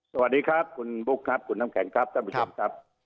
สวัสดีครับคุณบุ๊คครับคุณน้ำแข็งครับท่านผู้ชมครับ